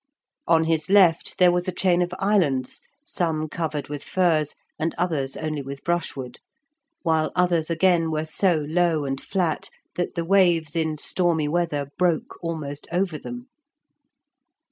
On his left there was a chain of islands, some covered with firs, and others only with brushwood, while others again were so low and flat that the waves in stormy weather broke almost over them.